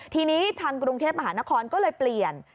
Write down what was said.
ทีนี้ทางกรุงเทพมหานครก็เลยเปลี่ยน